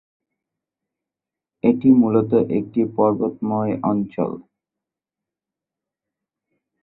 এটি মূলত একটি পর্বতময় অঞ্চল।